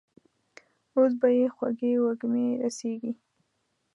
اوس به يې خوږې وږمې رسېږي.